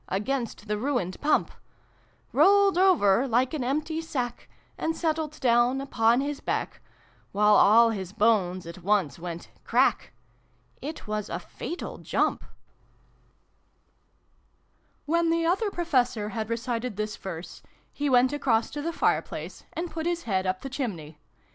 Against the ruined Pump : Rolled over like an empty sack, And settled down upon his back, While all his bones at once went ' Crack !' It was a fatal jump. B B 370 SYLVIE AND BRUNO CONCLUDED. When the Other Professor had recited this Verse, he went across to the fire place, and put his head up the chimney.